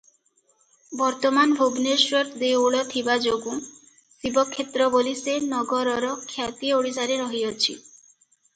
ବର୍ତ୍ତମାନ ଭୁବନେଶ୍ୱର ଦେଉଳ ଥିବାଯୋଗୁଁ ଶିବକ୍ଷେତ୍ର ବୋଲି ସେ ନଗରର ଖ୍ୟାତି ଓଡ଼ିଶାରେ ରହିଅଛି ।